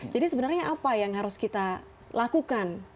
jadi sebenarnya apa yang harus kita lakukan